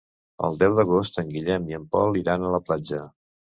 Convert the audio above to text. El deu d'agost en Guillem i en Pol iran a la platja.